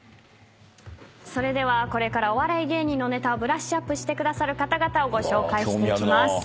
それではお笑い芸人のネタをブラッシュアップしてくださる方々をご紹介していきます。